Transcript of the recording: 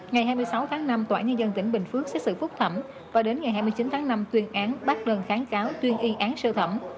ngày hai mươi sáu tháng năm tnnd tỉnh bình phước xét xử phúc thẩm và đến ngày hai mươi chín tháng năm tuyên án bác đơn kháng cáo tuyên ý án sơ thẩm